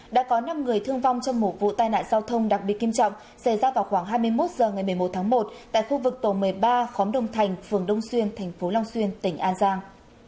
đã có năm người thương vong trong một vụ tai nạn giao thông đặc biệt nghiêm trọng xảy ra vào khoảng hai mươi một h ngày một mươi một tháng một tại khu vực tổ một mươi ba khóm đông thành phường đông xuyên tp long xuyên tỉnh an giang